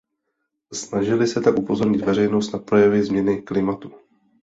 Snažili se tak upozornit veřejnost na projevy změny klimatu.